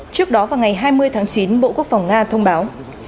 trước đó vào ngày hai mươi tháng chín bộ quốc phòng nga thông báo